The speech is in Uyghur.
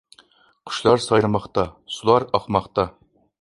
قۇشلار سايرىماقتا. سۇلار ئاقماقتا.